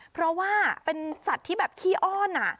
เพราะว่าเป็นสัตว์ที่แบบขี้อ้อน